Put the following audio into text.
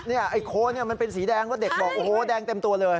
ไอ้โคนมันเป็นสีแดงแล้วเด็กบอกโอ้โหแดงเต็มตัวเลย